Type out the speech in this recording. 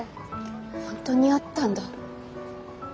本当にあったんだ。